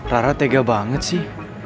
rara tega banget sih